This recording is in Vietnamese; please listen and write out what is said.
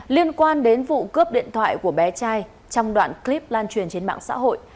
liên quan đến vụ cướp điện thoại của bé trai trong đoạn clip lan truyền trên mạng xã hội